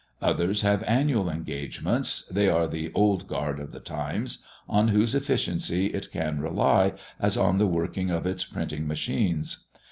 Others have annual engagements, they are the "Old Guard" of the Times, on whose efficiency it can rely as on the working of its printing machines.